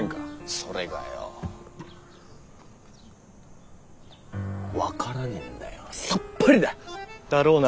それがよォ分からねぇんだよ。さっぱりだ。だろうな。